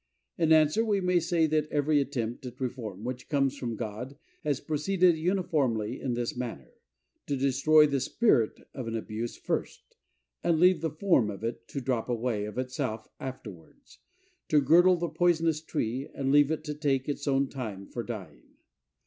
In answer, we say that every attempt at reform which comes from God has proceeded uniformly in this manner,—to destroy the spirit of an abuse first, and leave the form of it to drop away, of itself, afterwards,—to girdle the poisonous tree, and leave it to take its own time for dying.